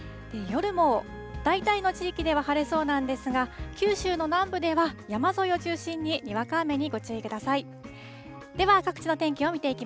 夜も大体の地域では晴れそうなんですが、九州の南部では山沿いを中心ににわか雨にご注意ください。